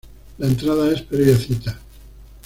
La entrada es previa cita.